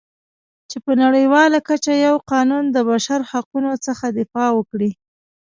چې په نړیواله کچه یو قانون د بشرحقوقو څخه دفاع وکړي.